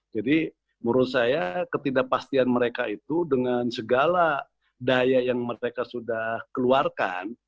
jadi menurut saya ketidakpastian mereka itu dengan segala daya yang mereka sudah keluarkan